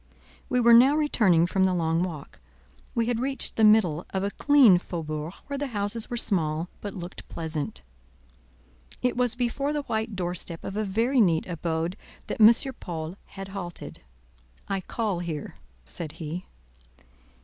We were now returning from the long walk. We had reached the middle of a clean Faubourg, where the houses were small, but looked pleasant. It was before the white door step of a very neat abode that M. Paul had halted. "I call here," said he.